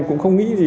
cũng không nghĩ gì